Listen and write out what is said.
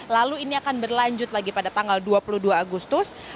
lalu ini akan berlanjut lagi pada tanggal dua puluh dua agustus